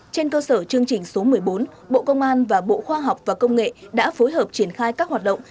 trên cơ sở chương trình số một mươi bốn bộ công an và bộ khoa học và công nghệ đã phối hợp triển khai các hoạt động